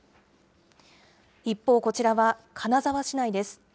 一方、こちらは金沢市内です。